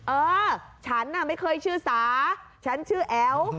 เออฉันน่ะไม่เคยชื่อสาฉันชื่อแอ๋ว